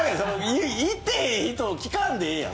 行ってへん人を聞かんでええやん。